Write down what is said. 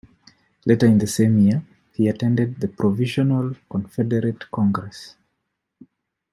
Later in the same year, he attended the Provisional Confederate Congress.